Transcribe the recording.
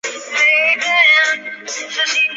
她丈夫才娶她为妻